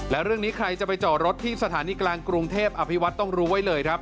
และเรื่องนี้ใครจะไปจอดรถที่สถานีกลางกรุงเทพอภิวัตต้องรู้ไว้เลยครับ